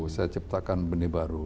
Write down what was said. saya ciptakan benih baru